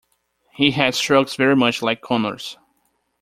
He had strokes very much like Connors.